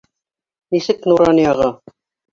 Нисек Нуранияға?